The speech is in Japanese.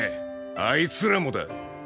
あいつらもだ。